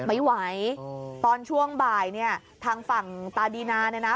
ไม่ไหวตอนช่วงบ่ายเนี่ยทางฝั่งตาดีนาเนี่ยนะ